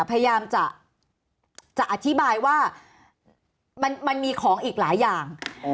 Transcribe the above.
พยายามจะอธิบายว่ามันมีของอีกหลายอย่าง